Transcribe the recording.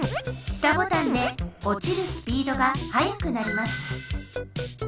下ボタンでおちるスピードがはやくなります。